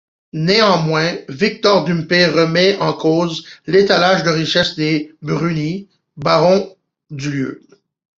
Néanmoins, Victor d’Hupay remet en cause l’étalage de richesses des Bruny, barons du lieu.